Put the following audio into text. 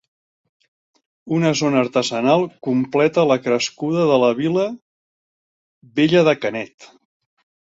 Una Zona artesanal completa la crescuda de la vila vella de Canet.